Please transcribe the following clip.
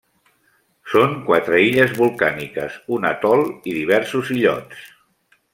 Són quatre illes volcàniques, un atol i diversos illots.